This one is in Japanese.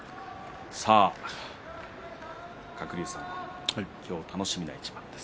鶴竜さん、今日楽しみな一番です。